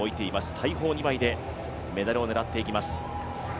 大砲二枚でメダルを狙っていきます。